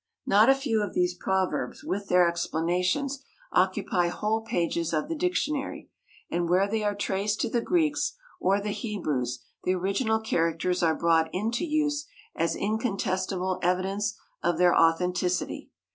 Not a few of these proverbs, with their explanations, occupy whole pages of the dictionary, and where they are traced to the Greeks or the Hebrews the original characters are brought into use as incontestable evidence of their authenticity.